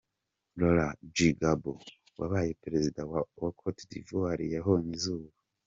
Laurent Gbagbo, wabaye perezida wa wa Cote d’ivoire yabonye izuba.